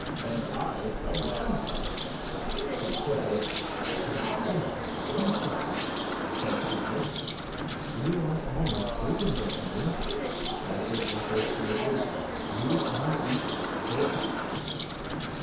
"And I some lamb chops," said Porthos. "And I a plain chicken," said Aramis. "You are all mistaken, gentlemen," answered Athos, gravely; "you are eating horse."